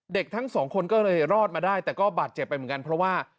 ทั้งสองคนก็เลยรอดมาได้แต่ก็บาดเจ็บไปเหมือนกันเพราะว่า